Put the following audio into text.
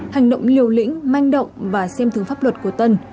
hành động liều lĩnh manh động và xem thường pháp luật của tân